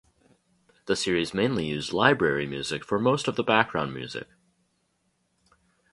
The series mainly used Library music for most of the background music.